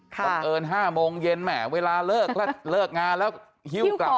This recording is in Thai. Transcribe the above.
ค่ะบังเอิญ๕โมงเย็นไหมเวลาเลิกงานแล้วหิ้วกลับมา